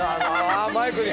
あマイクに。